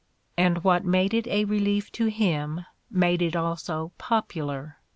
And what made it a relief to him made it also popular.